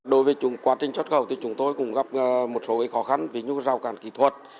đối với quá trình chất khẩu chúng tôi cũng gặp một số khó khăn ví dụ rào cản kỹ thuật